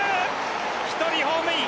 １人ホームイン。